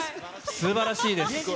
すばらしいです。